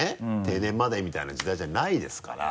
定年までみたいな時代じゃないですから。